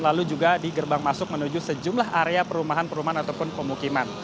lalu juga di gerbang masuk menuju sejumlah area perumahan perumahan ataupun pemukiman